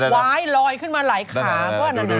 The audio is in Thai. ว้ายลอยขึ้นมาไหลขาวะดู